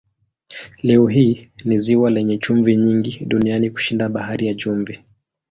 Leo hii ni ziwa lenye chumvi nyingi duniani kushinda Bahari ya Chumvi.